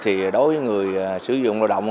đối với người sử dụng lao động